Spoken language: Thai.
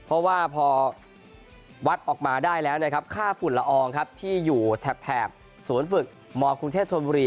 เพราะว่าพอวัดออกมาได้แล้วค่าฝุ่นละอองที่อยู่แถบสวนฝึกมคุณเทศธรรมบุรี